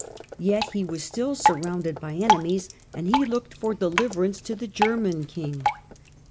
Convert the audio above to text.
Yet he was still surrounded by enemies, and he looked for deliverance to the German king.